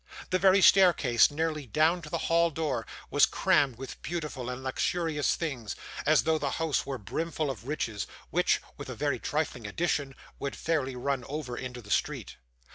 The very staircase nearly down to the hall door, was crammed with beautiful and luxurious things, as though the house were brimful of riches, which, with a very trifling addition, would fairly run over into the street.